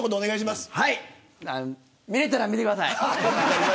見れたら見てください。